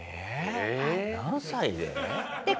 何歳で？